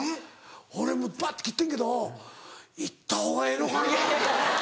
俺もうバッて切ってんけど行った方がええのかなとか。